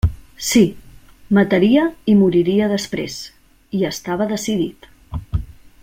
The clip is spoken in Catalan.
Sí; mataria i moriria després; hi estava decidit.